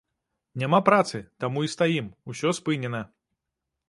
Няма працы, таму і стаім, ўсё спынена.